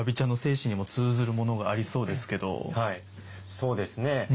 はいそうですね。